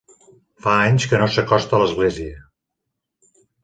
Fa anys que no s'acosta a l'església.